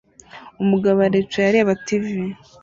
Umugabo aricaye areba tv